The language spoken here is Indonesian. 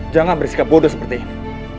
jangan bersikap bodoh seperti ini